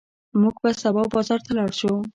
موږ به سبا بازار ته لاړ شو.